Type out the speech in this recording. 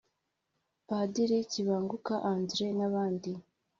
Padiri Kibanguka André n’abandi